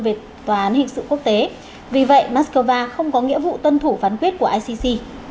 về tòa án hình sự quốc tế vì vậy moscow không có nghĩa vụ tuân thủ phán quyết của icc